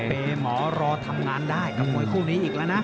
เปย์หมอรอทำงานได้กับมวยคู่นี้อีกแล้วนะ